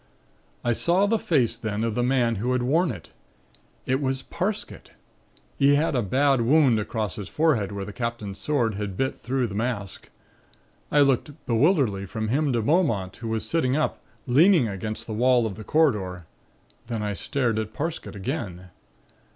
I saw the face then of the man who had worn it. It was Parsket. He had a bad wound across the forehead where the Captain's sword had bit through the mask. I looked bewilderedly from him to Beaumont, who was sitting up, leaning against the wall of the corridor. Then I stared at Parsket again.